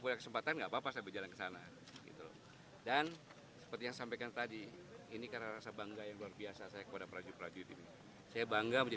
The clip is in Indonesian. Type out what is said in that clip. yang sangat berhasil mengembangkan